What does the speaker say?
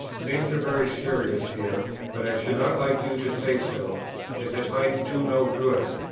"Things are very serious here; but I should not like you to say so, as it might do no good.